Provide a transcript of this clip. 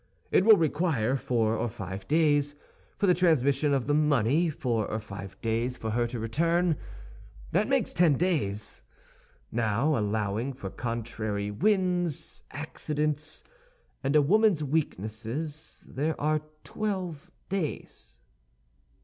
It will require four or five days for the transmission of the money, four or five days for her to return; that makes ten days. Now, allowing for contrary winds, accidents, and a woman's weakness, there are twelve days."